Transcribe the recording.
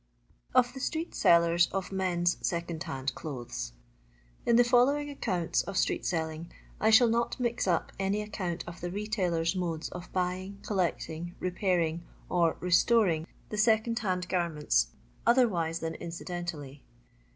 Ov THB Stbsxt Selleiui ov Mu's Ssooxp HAliD CLOTBEa. Ih the following accounta of street selling, 1 1 not mix up any account of the retailers' modes of buying, collecting, repairing, or " restoring" these* cond hand garments, otherwise than incidentally.